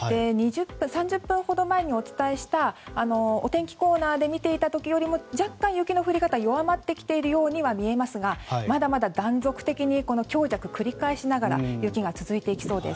３０分ほど前にお伝えしたお天気コーナーで見ていた時よりも若干、雪の降り方は弱まってきているように見えますがまだまだ断続的に強弱繰り返しながら雪が続いていきそうです。